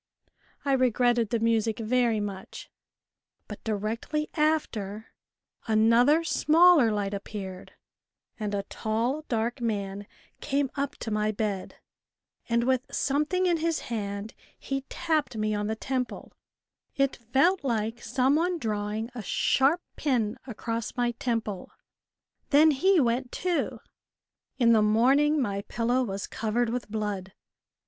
I regretted the music very much. But directly after another smaller light appeared, and a tall dark man came up to my bed, and with some thing in his hand he tapped me on the temple ; it felt like some one drawing a sharp pin across my temple : then he went too. In the morning my pillow was covered with blood.